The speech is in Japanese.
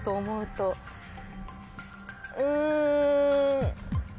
うん。